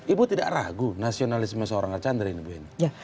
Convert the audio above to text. ibu tidak ragu nasionalisme seorang a chandra ini